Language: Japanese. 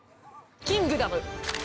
「キングダム」！